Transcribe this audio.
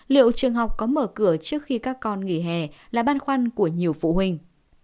liệu trường học có mở cửa trước khi các con nghỉ hè là băn khoăn của nhiều phụ huynh